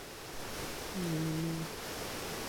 ni li mi.